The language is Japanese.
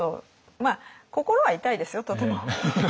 まあ心は痛いですよとても。